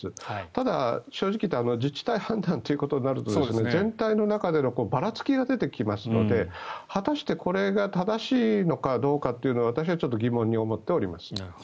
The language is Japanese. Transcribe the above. ただ、正直言って自治体判断ということになると全体の中でのばらつきが出てきますので果たしてこれが正しいのかどうかというのは私はちょっと疑問に思っております。